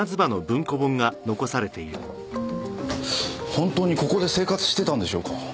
本当にここで生活してたんでしょうか。